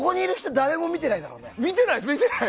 誰も見てないだろうね。